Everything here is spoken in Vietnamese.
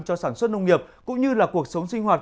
cho sản xuất nông nghiệp cũng như là cuộc sống sinh hoạt